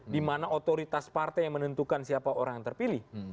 di mana otoritas partai yang menentukan siapa orang yang terpilih